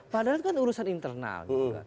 padahal kan urusan internal